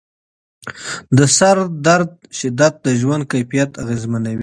د سردرد شدت د ژوند کیفیت اغېزمنوي.